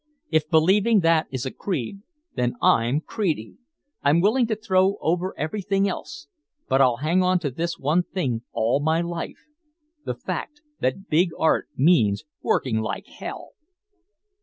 If believing that is a creed, then I'm creedy! I'm willing to throw over everything else, but I'll hang on to this one thing all my life the fact that big art means working like hell!"